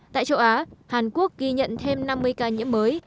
tại châu á hàn quốc ghi nhận thêm năm mươi triệu ca nhiễm và tử vong cao nhất thế giới